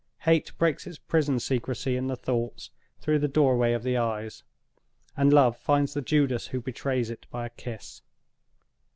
Hate breaks its prison secrecy in the thoughts, through the doorway of the eyes; and Love finds the Judas who betrays it by a kiss.